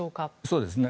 そうですね。